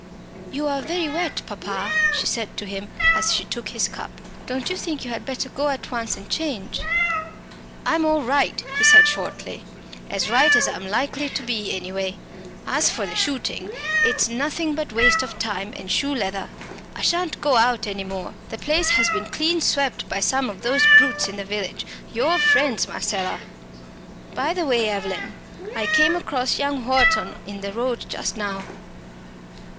"You are very wet, papa," she said to him as she took his cup; "don't you think you had better go at once and change?" "I'm all right," he said shortly "as right as I'm likely to be, anyway. As for the shooting, it's nothing but waste of time and shoe leather. I shan't go out any more. The place has been clean swept by some of those brutes in the village your friends, Marcella. By the way, Evelyn, I came across young Wharton in the road just now."